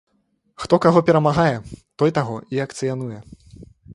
Хто каго перамагае, той таго і акцыянуе.